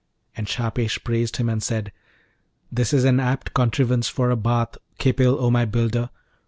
And Shahpesh praised him, and said, 'This is an apt contrivance for a bath, Khipil O my builder!